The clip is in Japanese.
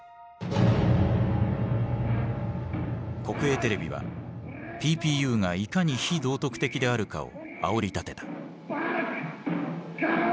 国営テレビはＰＰＵがいかに非道徳的であるかをあおりたてた。